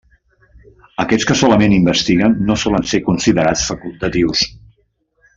Aquells que solament investiguen no solen ser considerats facultatius.